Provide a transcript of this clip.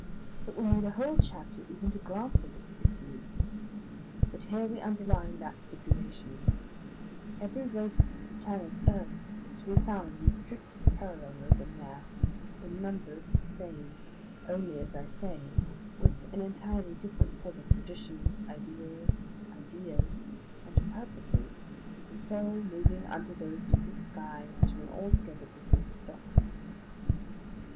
It will need a whole chapter even to glance at its issues. But here we underline that stipulation; every race of this planet earth is to be found in the strictest parallelism there, in numbers the same only, as I say, with an entirely different set of traditions, ideals, ideas, and purposes, and so moving under those different skies to an altogether different destiny.